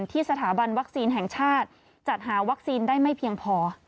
ที่สถาบันวัคซีนแห่งชาติจัดหาวัคซีนได้ไม่เพียงพอ